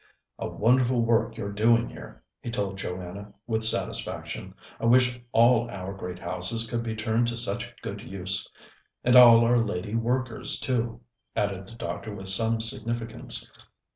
"A wonderful work you're doing here," he told Joanna with satisfaction. "I wish all our great houses could be turned to such good use and all our lady workers too," added the doctor with some significance.